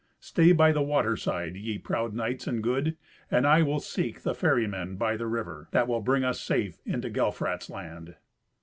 Stay by the water side, ye proud knights and good, and I will seek the ferrymen by the river, that will bring us safe into Gelfrat's land."